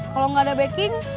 kalau gak ada backing